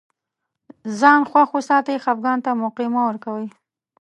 ځان خوښ وساتئ خفګان ته موقع مه ورکوی